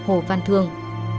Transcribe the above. hồ văn thương